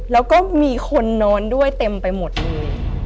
แล้วก็มีคนนอนด้วยเต็มไปหมดเลย